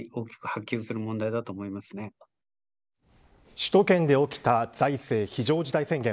首都圏で起きた財政非常事態宣言